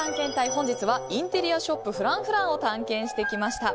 本日はインテリアショップＦｒａｎｃｆｒａｎｃを探検してきました。